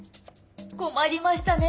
困りましたねえ